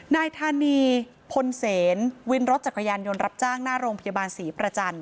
นายธานีพลเสนวินรถจักรยานยนต์รับจ้างหน้าโรงพยาบาลศรีประจันท